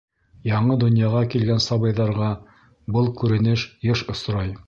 Яңы донъяға килгән сабыйҙарҙа был күренеш йыш осрай.